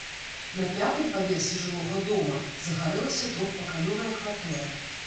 На пятым паверсе жылога дома загарэлася трохпакаёвая кватэра.